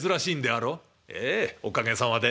「ええおかげさまで。